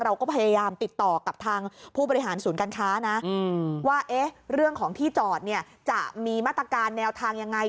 เราก็พยายามติดต่อกับทางผู้บริหารศูนย์การค้านะว่าเรื่องของที่จอดเนี่ยจะมีมาตรการแนวทางยังไง